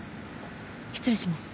失礼します。